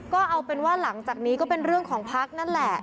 ก็เอาเป็นว่าหลังจากนี้ก็เป็นเรื่องของพักนั่นแหละ